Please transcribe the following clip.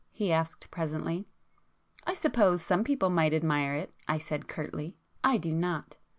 he asked presently. "I suppose some people might admire it,"—I said curtly, "I do not."